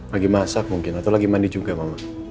lagi masak mungkin atau lagi mandi juga mama